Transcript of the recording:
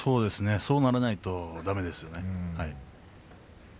そうならないとだめですね。